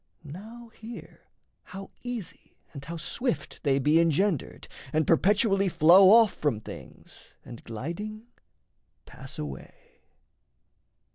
Now [hear] how easy and how swift they be Engendered, and perpetually flow off From things and gliding pass away....